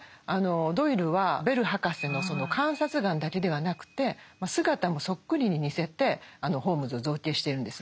ドイルはベル博士のその観察眼だけではなくて姿もそっくりに似せてホームズを造形してるんですね。